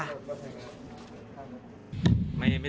ผมไม่ตอบครับ